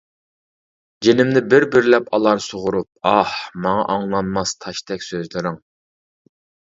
جېنىمنى بىر-بىرلەپ ئالار سۇغۇرۇپ ئاھ، ماڭا ئاڭلانماس تاشتەك سۆزلىرىڭ.